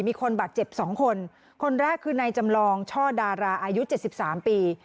มีคนบาดเจ็บสองคนคนแรกคือในจำลองช่อดาราอายุเจ็ดสิบสามปี